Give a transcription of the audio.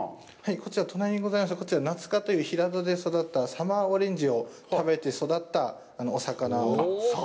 こちら、隣にございますのは平戸で育ったサマーオレンジを食べて育ったお魚を。